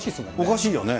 おかしいよね。